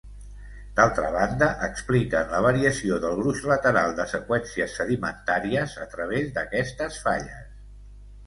D'altra banda, expliquen la variació del gruix lateral de seqüències sedimentàries a través d'aquestes falles.